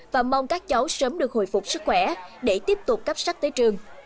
và mong các cháu sớm được hồi phục sức khỏe để tiếp tục cấp sắc tới trường